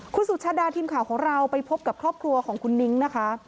คุณสุชาดาทีมข่าวของเราไปพบกับครอบครัวของคุณนิ้งนะคะ